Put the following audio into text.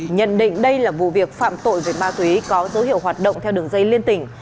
nhận định đây là vụ việc phạm tội về ma túy có dấu hiệu hoạt động theo đường dây liên tỉnh